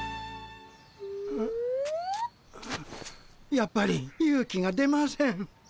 やっぱり勇気が出ません。